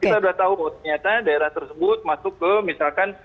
kita sudah tahu bahwa ternyata daerah tersebut masuk ke misalkan